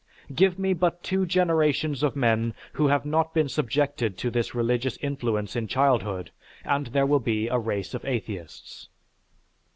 Give me but two generations of men who have not been subjected to this religious influence in childhood, and there will be a race of atheists.